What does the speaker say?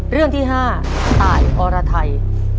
เรื่องที่๕ตายอรไทย